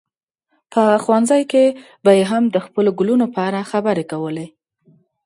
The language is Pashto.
په ښوونځي کې به یې هم د خپلو ګلونو په اړه خبرې کولې.